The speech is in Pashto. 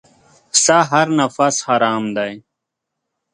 ستا هر نفس حرام دی .